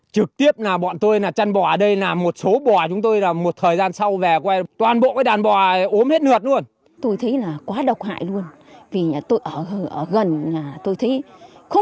trực tiếp bọn tôi chăn bò ở đây một số bò chúng tôi một thời gian sau